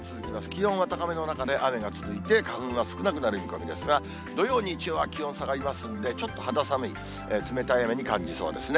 気温は高めの中で雨が続いて、花粉が少なくなる見込みですが、土曜、日曜は気温下がりますんで、ちょっと肌寒い、冷たい雨に感じそうですね。